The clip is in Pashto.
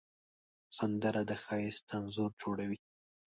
سندره د ښایست انځور جوړوي